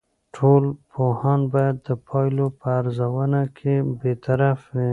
ټول پوهان باید د پایلو په ارزونه کې بیطرف وي.